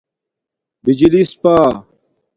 بجلس پݳ